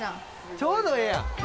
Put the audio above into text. ちょうどええやん。